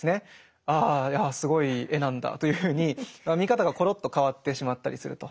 「ああすごい絵なんだ」というふうに見方がころっと変わってしまったりすると。